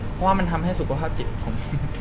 เพราะว่ามันทำให้สุขภาพจิตของผม